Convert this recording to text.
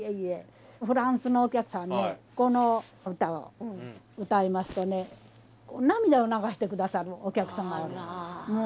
フランスのお客様にねこの歌を歌いますとね涙を流して下さるお客様おる。